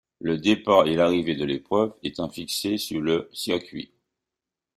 Le départ et l'arrivée de l'épreuve étant fixés sur le circuit.